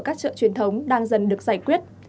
các chợ truyền thống đang dần được giải quyết